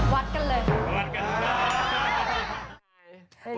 วัดกันเลย